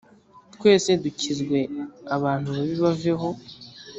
twese dukizwe abantu babi baveho